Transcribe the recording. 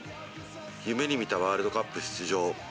夢にみたワールドカップ出場。